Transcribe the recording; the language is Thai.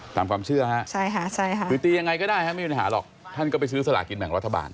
ตามความเชื่อฮะคือตียังไงก็ได้ไม่มีปัญหาหรอกท่านก็ไปซื้อสลากินแบ่งรัฐบาล